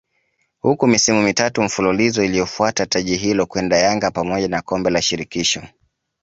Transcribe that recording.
huku misimu mitatu mfululizo iliyofuata taji hilo kwenda Yanga pamoja na Kombe la Shirikisho